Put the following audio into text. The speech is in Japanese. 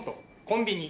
コンビニ。